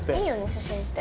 写真って。